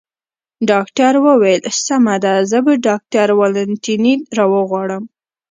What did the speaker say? ډاکټر وویل: سمه ده، زه به ډاکټر والنتیني را وغواړم.